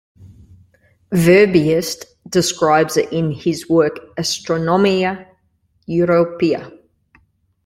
Verbiest describes it in his work "Astronomia Europea".